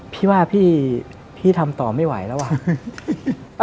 พี่ว่าพี่ทำต่อไม่ไหวแล้วว่ะ